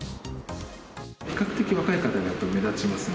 比較的若い方が目立ちますね。